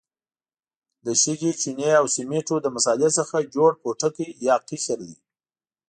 له شګې، چونې او سمنټو له مسالې څخه جوړ پوټکی یا قشر دی.